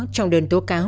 trong đơn tố cáo